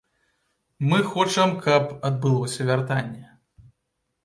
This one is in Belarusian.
Мы хочам, каб адбылося вяртанне.